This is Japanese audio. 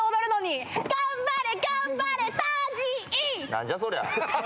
何じゃそりゃ。